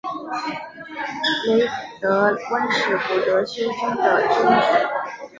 雷德温是古德休郡的郡治。